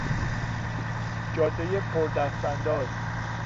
جادهی پردستانداز